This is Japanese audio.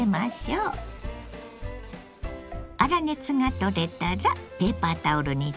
粗熱がとれたらペーパータオルにとって水けを拭きます。